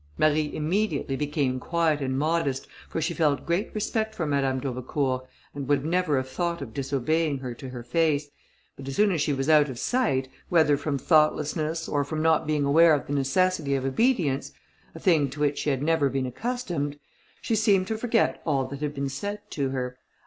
Marie immediately became quiet and modest, for she felt great respect for Madame d'Aubecourt, and would never have thought of disobeying her to her face, but as soon as she was out of sight, whether from thoughtlessness, or from not being aware of the necessity of obedience, a thing to which she had never been accustomed, she seemed to forget all that had been said to her.